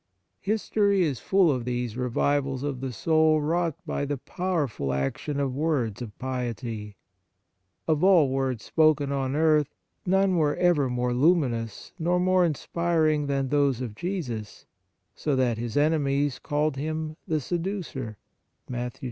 History is full of these revivals of the soul wrought by the powerful action of words of piety. Of all words spoken on earth none were ever more luminous nor more inspir ing than those of Jesus, so that His enemies, called him "the seducer,"* * Matt, xxvii.